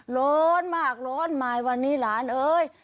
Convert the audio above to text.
ร้อนมากร้อนมายวันนี้หลานเอ้ย